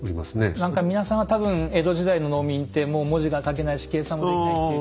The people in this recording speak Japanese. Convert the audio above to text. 何か皆さんは多分江戸時代の農民ってもう文字が書けないし計算もできないっていう。